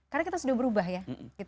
karena kita sudah berubah ya